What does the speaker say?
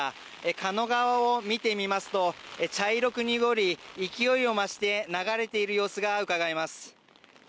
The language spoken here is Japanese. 狩野川を見てみますと、茶色く濁り、勢いを増して流れている様子がうかがえます。